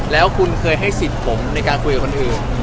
แล้วคุณเคยให้สิทธิ์ผมในการคุยกับคนอื่น